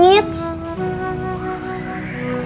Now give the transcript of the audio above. kenapa sedih bingung